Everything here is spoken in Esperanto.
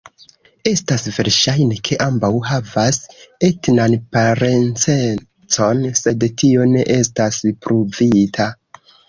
Estas verŝajne ke ambaŭ havas etnan parencecon sed tio ne estas pruvita.